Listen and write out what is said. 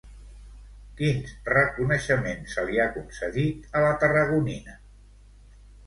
Quins reconeixements se li ha concedit a la tarragonina?